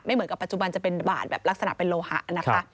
เหมือนกับปัจจุบันจะเป็นบาทแบบลักษณะเป็นโลหะนะคะ